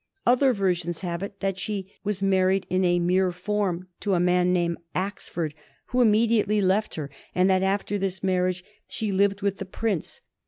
Other versions have it that she was married as a mere form to a man named Axford, who immediately left her, and that after this marriage she lived with the Prince.